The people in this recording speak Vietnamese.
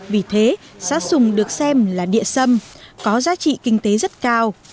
vì thế xã sùng được xem là địa sâm có giá trị kinh tế rất cao